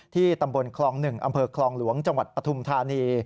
ตำบลคลอง๑อำเภอคลองหลวงจังหวัดปฐุมธานี